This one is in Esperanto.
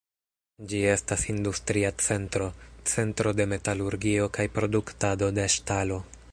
Ĝi estas industria centro, centro de metalurgio kaj produktado de ŝtalo.